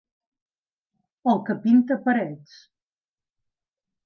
El que pinta parets.